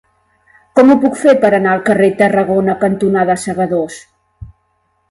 Com ho puc fer per anar al carrer Tarragona cantonada Segadors?